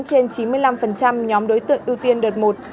trên chín mươi năm nhóm đối tượng ưu tiên đợt một